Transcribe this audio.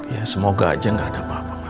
ya semoga aja nggak ada apa apa ma